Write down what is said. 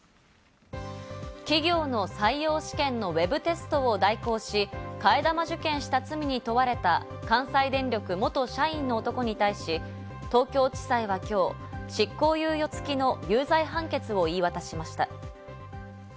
企業の採用試験のウェブテストを代行し、替え玉受験した罪に問われた関西電力元社員の男に対し、東京地裁は今日、執行猶予付きの有罪判決を言い渡しました。